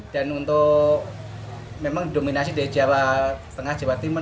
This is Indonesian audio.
dan untuk memang didominasi dari jawa tengah jawa timur